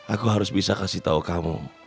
aku harus bisa kasih tahu kamu